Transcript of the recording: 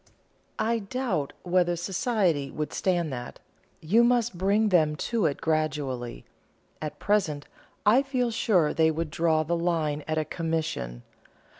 "I doubt whether society would stand that. You must bring them to it gradually. At present, I feel sure they would draw the line at a 'commission.'